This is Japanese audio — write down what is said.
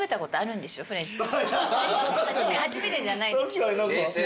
初めてじゃない。